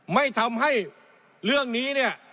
ไม่ทำให้เรื่องนี้เนี่ย